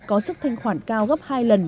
có sức thanh khoản cao gấp hai lần